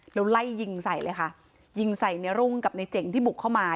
แล้วไล่ยิงใส่เลยค่ะยิงใส่ในรุ่งกับในเจ๋งที่บุกเข้ามา